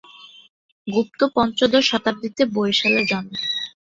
গুপ্ত পঞ্চদশ শতাব্দীতে বরিশালে জন্ম।